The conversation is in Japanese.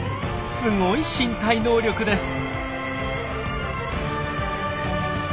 すごい身体能力です！